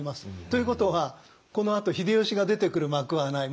ということはこのあと秀吉が出てくる幕はない。